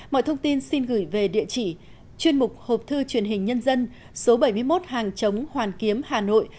mọi thông tin xin gửi về địa chỉ chuyên mục hộp thư truyền hình nhân dân số bảy mươi một hàng chống hoàn kiếm hà nội